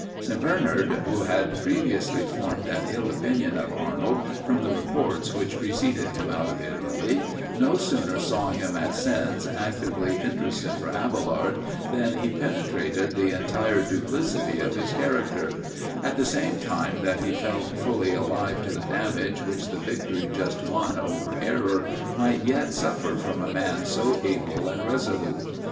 St. Bernard, who had previously formed an ill opinion of Arnold from the reports which preceded him out of Italy, no sooner saw him at Sens actively interested for Abailard, than he penetrated the entire duplicity of his character; at the same time that he felt fully alive to the damage, which the victory just won over error might yet suffer from a man so able and resolute.